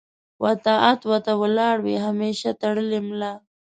و طاعت و ته ولاړ وي همېشه تړلې ملا